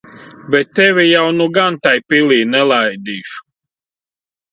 Bet tevi jau nu gan tai pilī nelaidīšu.